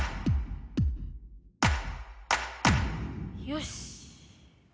よし。